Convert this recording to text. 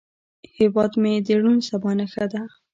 هیواد مې د روڼ سبا نښه ده